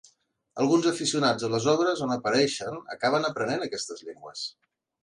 Alguns aficionats a les obres on apareixen acaben aprenent aquestes llengües.